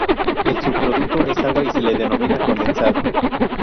El subproducto es agua y se le denomina condensado.